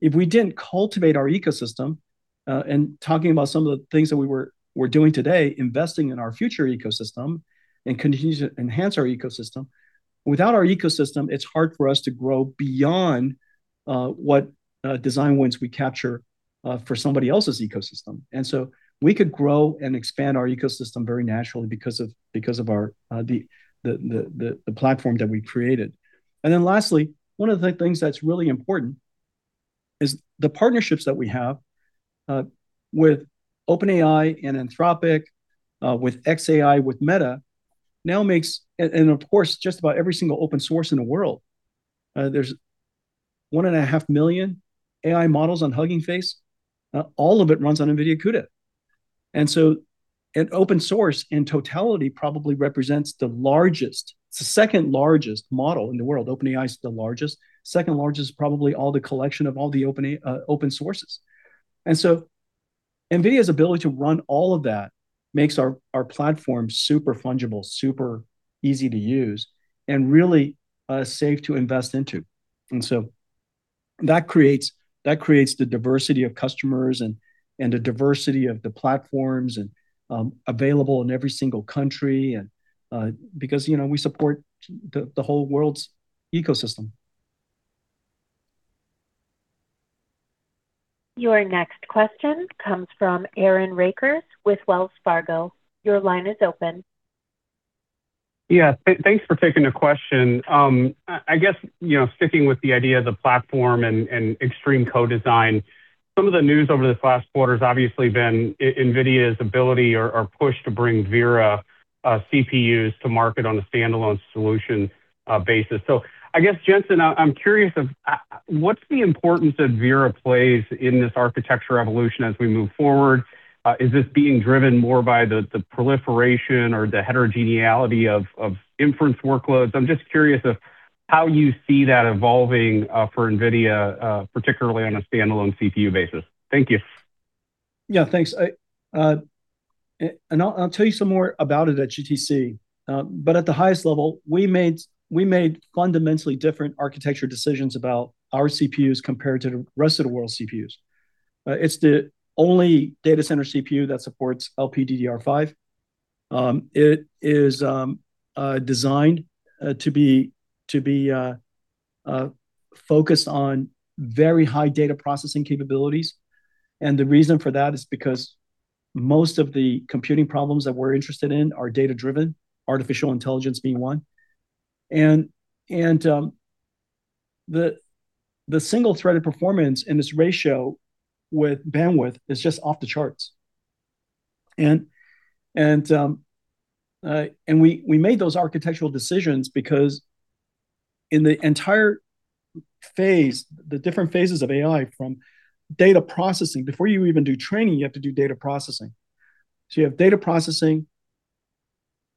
if we didn't cultivate our ecosystem, and talking about some of the things that we're doing today, investing in our future ecosystem and continue to enhance our ecosystem. Without our ecosystem, it's hard for us to grow beyond what design wins we capture for somebody else's ecosystem. We could grow and expand our ecosystem very naturally because of our the platform that we created. Lastly, one of the things that's really important is the partnerships that we have with OpenAI and Anthropic, with xAI, with Meta, and of course, just about every single open source in the world. There's 1.5 million AI models on Hugging Face, all of it runs on NVIDIA CUDA. An open source in totality probably represents the largest, it's the second-largest model in the world. OpenAI is the largest. Second largest, probably all the collection of all the open sources. NVIDIA's ability to run all of that makes our platform super fungible, super easy to use, and really safe to invest into. That creates the diversity of customers and the diversity of the platforms and available in every single country, and because, you know, we support the whole world's ecosystem. Your next question comes from Aaron Rakers with Wells Fargo. Your line is open. Yeah. Thanks for taking the question. I guess, you know, sticking with the idea of the platform and extreme co-design, some of the news over this last quarter has obviously been NVIDIA's ability or push to bring Vera CPUs to market on a standalone solution basis. I guess, Jensen, I'm curious of what's the importance that Vera plays in this architecture evolution as we move forward? Is this being driven more by the proliferation or the heterogeneity of inference workloads? I'm just curious of how you see that evolving for NVIDIA, particularly on a standalone CPU basis. Thank you. Yeah, thanks. I and I'll tell you some more about it at GTC. But at the highest level, we made, we made fundamentally different architecture decisions about our CPUs compared to the rest of the world's CPUs. It's the only data center CPU that supports LPDDR5. It is designed to be focused on very high data processing capabilities. And the reason for that is because most of the computing problems that we're interested in are data-driven, artificial intelligence being one. And the single-threaded performance in this ratio with bandwidth is just off the charts. And we made those architectural decisions because in the entire phase, the different phases of AI, from data processing, before you even do training, you have to do data processing. You have data processing,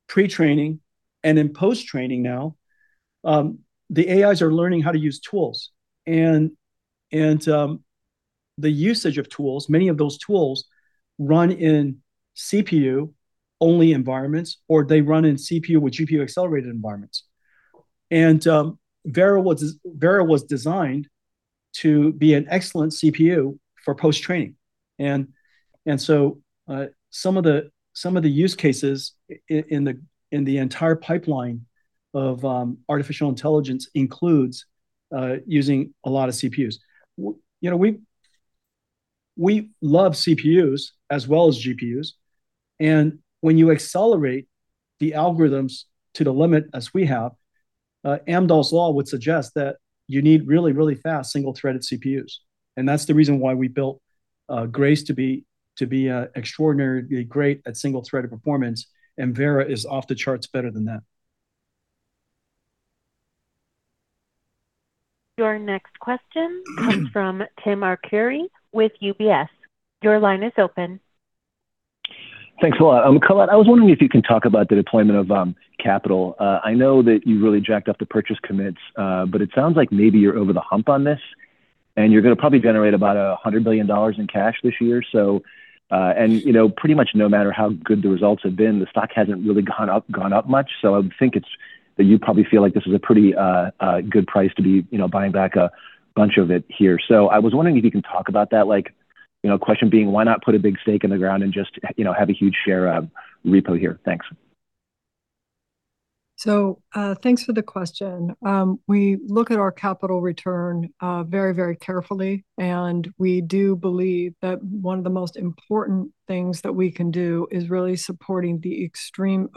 pre-training, and in post-training now, the AIs are learning how to use tools. The usage of tools, many of those tools run in CPU-only environments, or they run in CPU with GPU-accelerated environments. Vera was designed to be an excellent CPU for post-training. Some of the use cases in the entire pipeline of artificial intelligence includes using a lot of CPUs. You know, we love CPUs as well as GPUs, and when you accelerate the algorithms to the limit as we have, Amdahl's law would suggest that you need really, really fast single-threaded CPUs. That's the reason why we built Grace to be extraordinarily great at single-threaded performance, and Vera is off the charts better than that. Your next question comes from Tim Arcuri with UBS. Your line is open. Thanks a lot. Colette, I was wondering if you can talk about the deployment of capital. I know that you really jacked up the purchase commits, but it sounds like maybe you're over the hump on this, and you're gonna probably generate about $100 billion in cash this year. And, you know, pretty much, no matter how good the results have been, the stock hasn't really gone up much. I would think it's that you probably feel like this is a pretty good price to be, you know, buying back a bunch of it here. I was wondering if you can talk about that, like, you know, question being, why not put a big stake in the ground and just, you know, have a huge share of repo here? Thanks. Thanks for the question. We look at our capital return very carefully, and we do believe that one of the most important things that we can do is really supporting the extreme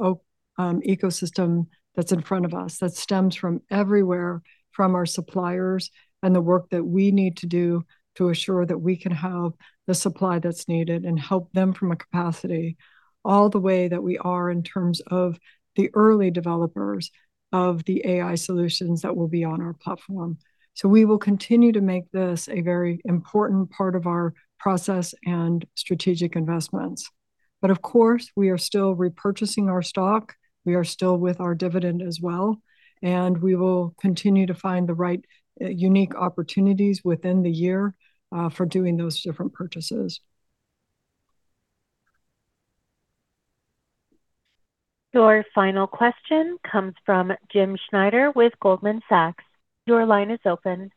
ecosystem that's in front of us, that stems from everywhere, from our suppliers and the work that we need to do to assure that we can have the supply that's needed, and help them from a capacity, all the way that we are in terms of the early developers of the AI solutions that will be on our platform. We will continue to make this a very important part of our process and strategic investments. Of course, we are still repurchasing our stock. We are still with our dividend as well. We will continue to find the right unique opportunities within the year for doing those different purchases. Your final question comes from Jim Schneider with Goldman Sachs. Your line is open.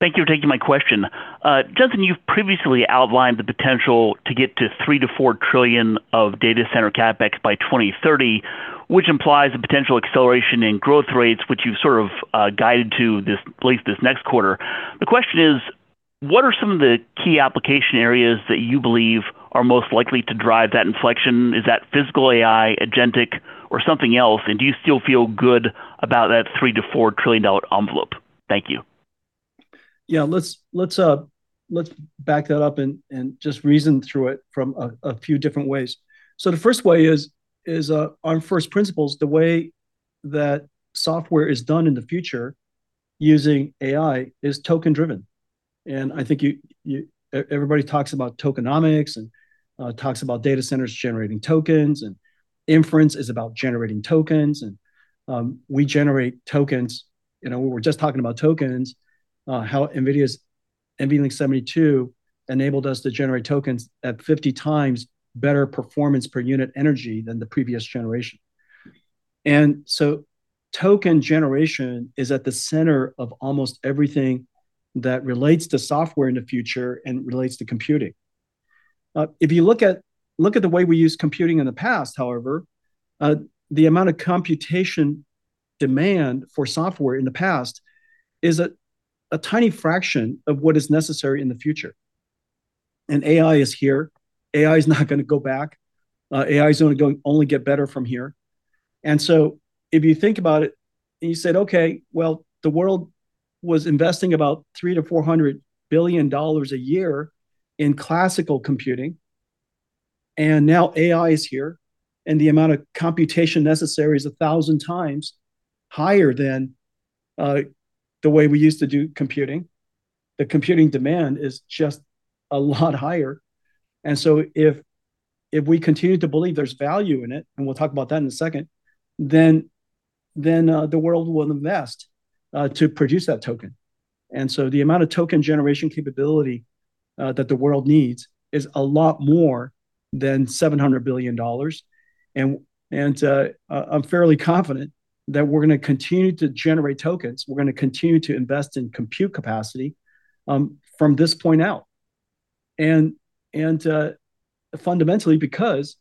Thank you for taking my question. Justin, you've previously outlined the potential to get to $3 trillion-$4 trillion of data center CapEx by 2030, which implies a potential acceleration in growth rates, which you've sort of guided to at least this next quarter. The question is, what are some of the key application areas that you believe are most likely to drive that inflection? Is that physical AI, agentic, or something else? Do you still feel good about that $3 trillion-$4 trillion envelope? Thank you. Yeah, let's back that up and just reason through it from a few different ways. The first way is on first principles, the way that software is done in the future, using AI, is token-driven. I think everybody talks about tokenomics and talks about data centers generating tokens, and inference is about generating tokens, and we generate tokens. You know, we were just talking about tokens, how NVIDIA's NVLink Switch enabled us to generate tokens at 50 times better performance per unit energy than the previous generation. Token generation is at the center of almost everything that relates to software in the future and relates to computing. If you look at the way we used computing in the past, however, the amount of computation demand for software in the past is a tiny fraction of what is necessary in the future. AI is here. AI is not gonna go back. AI is only get better from here. If you think about it, and you said: Okay, well, the world was investing about $300 billion-$400 billion a year in classical computing, now AI is here, the amount of computation necessary is 1,000 times higher than the way we used to do computing. The computing demand is just a lot higher. If we continue to believe there's value in it, and we'll talk about that in a second, then the world will invest to produce that token. The amount of token generation capability that the world needs is a lot more than $700 billion. I'm fairly confident that we're gonna continue to generate tokens. We're gonna continue to invest in compute capacity from this point out. Fundamentally, because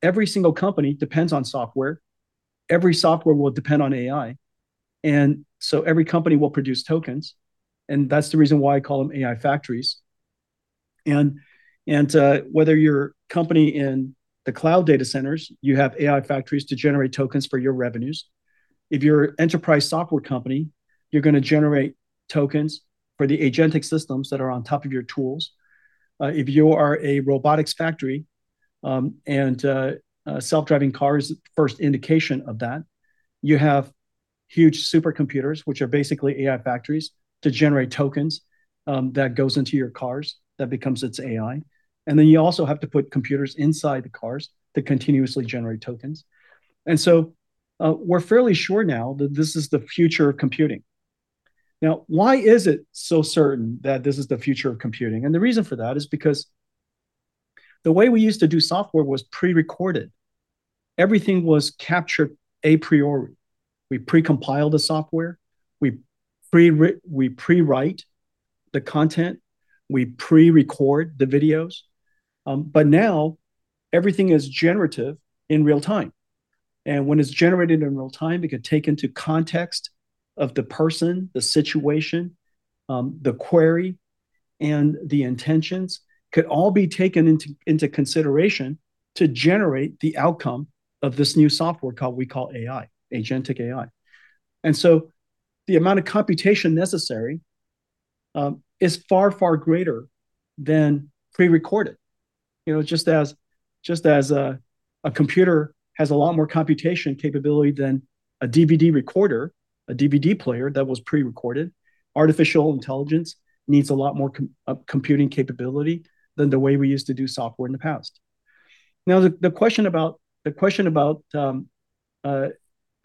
every single company depends on software, every software will depend on AI, and so every company will produce tokens, and that's the reason why I call them AI factories. Whether you're a company in the cloud data centers, you have AI factories to generate tokens for your revenues. If you're an enterprise software company, you're gonna generate tokens for the agentic systems that are on top of your tools. If you are a robotics factory, and self-driving cars, first indication of that, you have huge supercomputers, which are basically AI factories, to generate tokens, that goes into your cars, that becomes its AI. You also have to put computers inside the cars to continuously generate tokens. We're fairly sure now that this is the future of computing. Why is it so certain that this is the future of computing? The reason for that is because the way we used to do software was pre-recorded. Everything was captured a priori. We pre-compile the software, we pre-write the content, we pre-record the videos. Now everything is generative in real time, and when it's generated in real time, it can take into context of the person, the situation, the query, and the intentions, could all be taken into consideration to generate the outcome of this new software we call AI, agentic AI. The amount of computation necessary is far, far greater than pre-recorded. You know, just as a computer has a lot more computation capability than a DVD recorder, a DVD player that was pre-recorded, artificial intelligence needs a lot more computing capability than the way we used to do software in the past. Now, the question about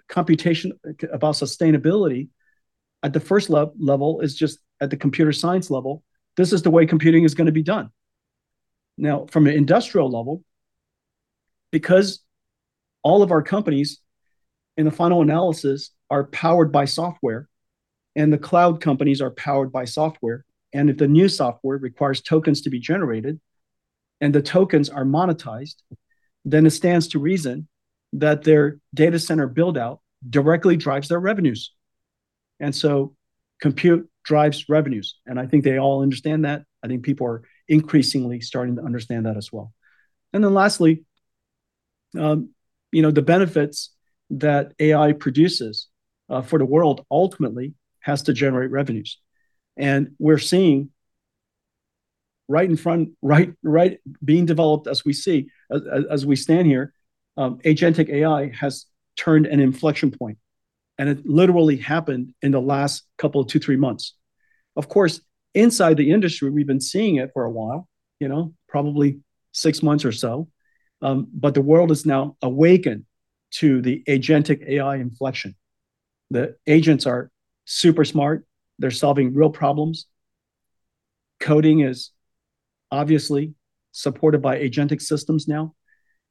computation about sustainability at the first level is just at the computer science level, this is the way computing is gonna be done. From an industrial level, because all of our companies, in the final analysis, are powered by software, and the cloud companies are powered by software, and if the new software requires tokens to be generated and the tokens are monetized, then it stands to reason that their data center build-out directly drives their revenues. Compute drives revenues. I think they all understand that. I think people are increasingly starting to understand that as well. Lastly, you know, the benefits that AI produces for the world ultimately has to generate revenues. We're seeing right in front, being developed, as we stand here, agentic AI has turned an inflection point, and it literally happened in the last couple of two, three months. Of course, inside the industry, we've been seeing it for a while, you know, probably six months or so. The world is now awakened to the agentic AI inflection. The agents are super smart, they're solving real problems. Coding is obviously supported by agentic systems now,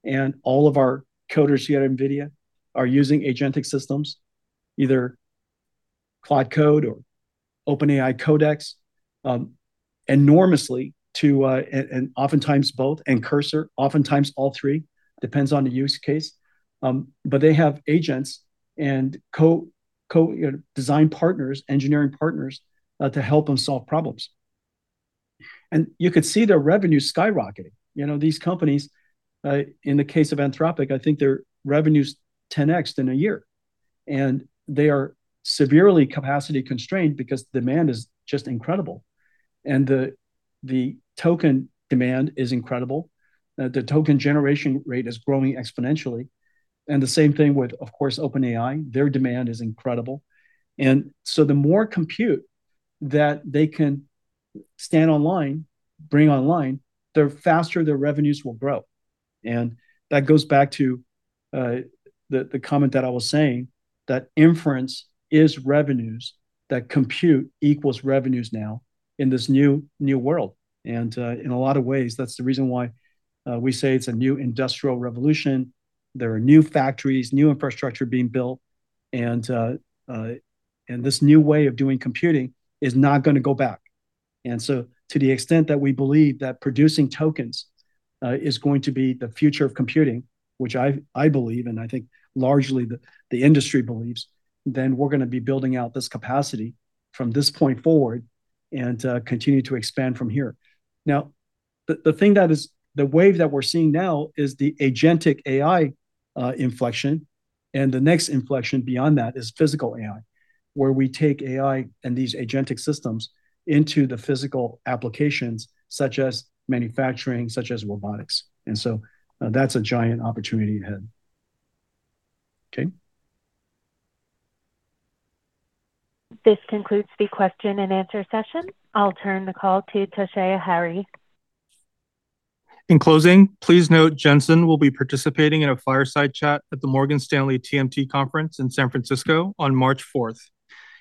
and all of our coders here at NVIDIA are using agentic systems, either Claude Code or OpenAI Codex, enormously to, and oftentimes both, and Cursor, oftentimes all three, depends on the use case. They have agents and co-design partners, engineering partners, to help them solve problems. You could see their revenues skyrocketing. You know, these companies, in the case of Anthropic, I think their revenue's 10x in a year, and they are severely capacity-constrained because demand is just incredible. The token demand is incredible, the token generation rate is growing exponentially. The same thing with, of course, OpenAI, their demand is incredible. The more compute that they can stand online, bring online, the faster their revenues will grow. That goes back to the comment that I was saying, that inference is revenues, that compute equals revenues now in this new world. In a lot of ways, that's the reason why we say it's a new industrial revolution. There are new factories, new infrastructure being built, and this new way of doing computing is not gonna go back. To the extent that we believe that producing tokens is going to be the future of computing, which I believe, and I think largely the industry believes, then we're gonna be building out this capacity from this point forward and continue to expand from here. The wave that we're seeing now is the agentic AI inflection, and the next inflection beyond that is physical AI, where we take AI and these agentic systems into the physical applications such as manufacturing, such as robotics. That's a giant opportunity ahead. Okay? This concludes the question and answer session. I'll turn the call to Toshiya Hari. In closing, please note Jensen will be participating in a fireside chat at the Morgan Stanley TMT Conference in San Francisco on March 4th.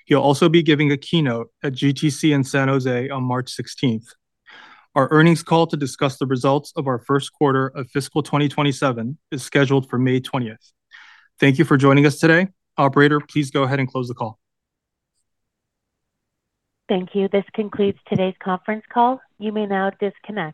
He'll also be giving a keynote at GTC in San Jose on March 16th. Our earnings call to discuss the results of our first quarter of fiscal year 2027 is scheduled for May 20th. Thank you for joining us today. Operator, please go ahead and close the call. Thank you. This concludes today's conference call. You may now disconnect.